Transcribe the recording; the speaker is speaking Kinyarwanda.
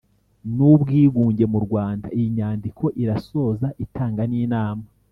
N ubwigunge mu rwanda iyi nyandiko irasoza itanga n inama